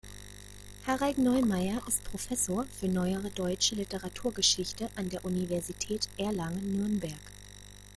Harald Neumeyer ist Professor für Neuere Deutsche Literaturgeschichte an der Universität Erlangen-Nürnberg.